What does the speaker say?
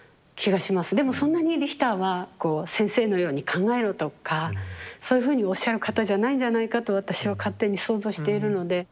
でもそんなにリヒターはこう先生のように考えろとかそういうふうにおっしゃる方じゃないんじゃないかと私は勝手に想像しているので。